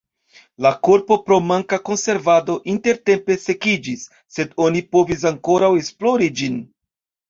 La korpo pro manka konservado intertempe sekiĝis, sed oni povis ankoraŭ esplori ĝin.